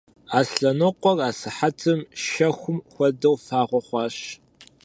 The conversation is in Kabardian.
Аслъэнокъуэр асыхьэтым шэхум хуэдэу фагъуэ хъуащ.